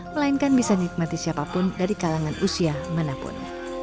melainkan bisa dinikmati siapapun dari kalangan usia manapun